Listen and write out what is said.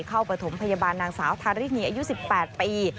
ปฐมพยาบาลนางสาวทารินีอายุ๑๘ปี